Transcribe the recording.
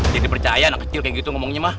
percaya anak kecil kayak gitu ngomongnya mah